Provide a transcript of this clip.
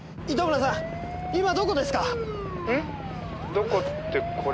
どこってこれはね」